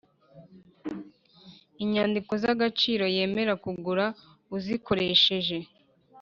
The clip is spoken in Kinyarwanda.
inyandiko z’agaciro yemera kugura uzikoresheje